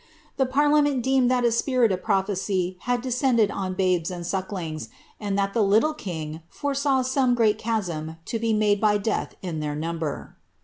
The parliament deemed that a spirit of prophecy haJ descended on babes and sucklings, and that the Itllle king foresaw soaie great chasm to be made by death in their number.'